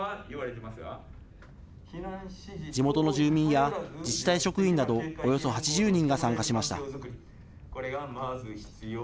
地元の住民や自治体職員などおよそ８０人が参加しました。